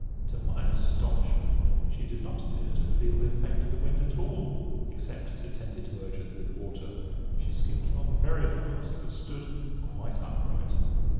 To my astonishment, she did not appear to feel the effect of the wind at all, except as it tended to urge her through the water. She skimmed along very fast, but stood quite upright.